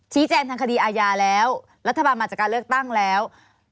แจ้งทางคดีอาญาแล้วรัฐบาลมาจากการเลือกตั้งแล้ว